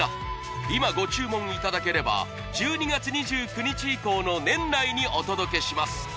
今ご注文いただければ１２月２９日以降の年内にお届けします